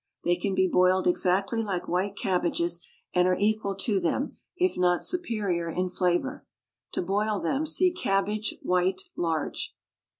They can be boiled exactly like white cabbages, and are equal to them, if not superior, in flavour. To boil them, see CABBAGE, WHITE, LARGE.